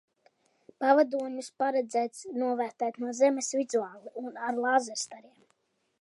Pavadoņus paredzēts novērot no zemes vizuāli un ar lāzersistēmām.